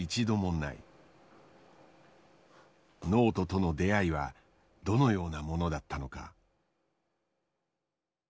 ノートとの出会いはどのようなものだったのか。